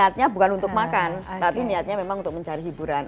dan niatnya bukan untuk makan tapi niatnya memang untuk mencari hiburan